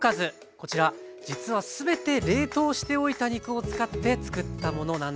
こちら実は全て冷凍しておいた肉を使ってつくったものなんです。